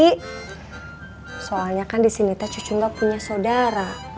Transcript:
iya soalnya kan di sini teh cucu enggak punya saudara